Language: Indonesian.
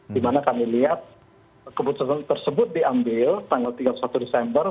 di mana kami lihat keputusan tersebut diambil tanggal tiga puluh satu desember